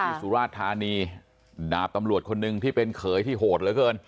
สุราชธานีดาบตำรวจคนหนึ่งที่เป็นเขยที่โหดเหลือเกิน